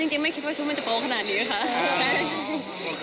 ไม่คิดว่าชุดมันจะโป๊ขนาดนี้ค่ะ